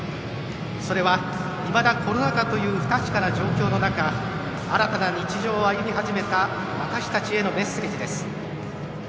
それは、いまだコロナ禍という不確かな状況の中新たな日常を歩み始めた私たちへのメッセージです。